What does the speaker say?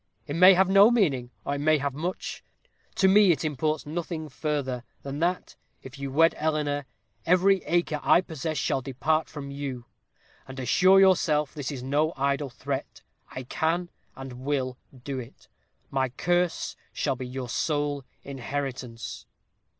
It may have no meaning, or it may have much. To me it imports nothing further, than that, if you wed Eleanor, every acre I possess shall depart from you. And assure yourself this is no idle threat. I can, and will do it. My curse shall be your sole inheritance.'